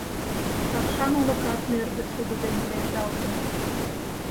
Какшан олыкат нӧргӧ шудо дене леведалтын.